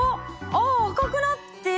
あ赤くなって。